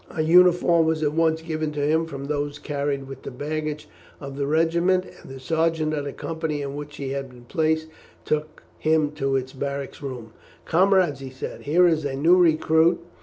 A uniform was at once given to him from those carried with the baggage of the regiment, and the sergeant of the company in which he had been placed took him to its barrack room. "Comrades," he said, "here is a new recruit.